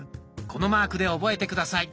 このマークで覚えて下さい。